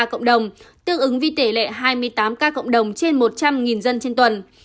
cộng đồng tương ứng với tỷ lệ hai mươi tám ca cộng đồng trên một trăm linh dân trên tuần